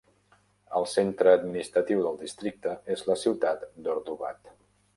El centre administratiu del districte és la ciutat d'Ordubad.